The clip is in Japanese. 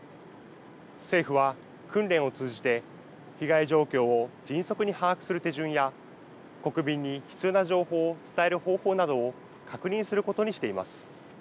政府は訓練を通じて被害状況を迅速に把握する手順や国民に必要な情報を伝える方法などを確認することにしています。